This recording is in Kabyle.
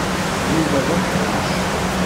Yuba d uḥṛic.